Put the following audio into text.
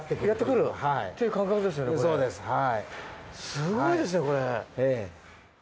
すごいですね、これ。